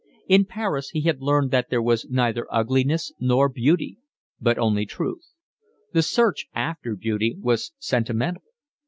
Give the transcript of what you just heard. In Paris he had learned that there was neither ugliness nor beauty, but only truth: the search after beauty was sentimental.